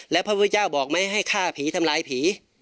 แล้วพระพุทธเจ้าบอกไหมให้ฆ่าผีทำลายผี